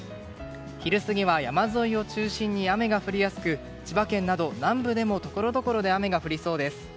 昼過ぎは山沿いを中心に雨が降りやすく千葉県など南部でもところどころで雨が降りそうです。